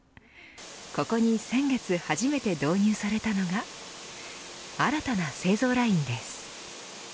ここに先月初めて導入されたのが新たな製造ラインです。